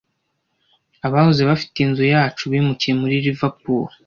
Abahoze bafite inzu yacu bimukiye muri Liverpool.